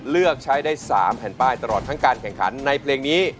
เลือกใช้ได้๓แผ่นป้ายตลอดทั้งการแข่งขันในเพลงนี้